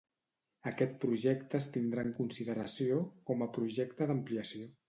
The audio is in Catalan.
Aquest projecte es tindrà en consideració com a projecte d'ampliació.